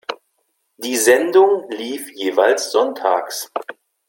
Die Sendung lief jeweils sonntags.